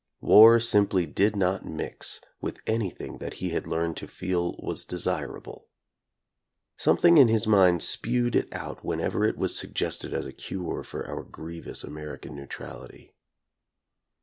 War simply did not mix with any thing that he had learned to feel was desirable. Something in his mind spewed it out whenever it was suggested as a cure for our grievous American neutrality.